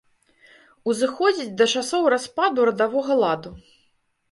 Узыходзіць да часоў распаду радавога ладу.